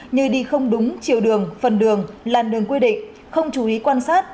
như đi không đúng chiều đường phần đường làn đường quy định không chú ý quan sát